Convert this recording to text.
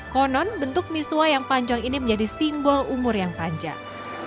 konon bentuk misua yang panjang ini menjadi simbol umur yang panjang